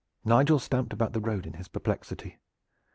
Nigel stamped about the road in his perplexity.